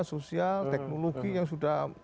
sosial teknologi yang sudah